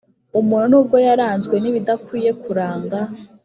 umuntu n’ubwo yaranzwe n’ibidakwiye kuranga